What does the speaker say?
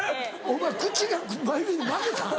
お前口が眉毛に負けたん？